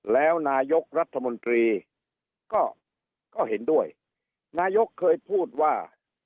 แล้วนายกรัฐมนตรีก็เห็นด้วยนายกเคยพูดว่า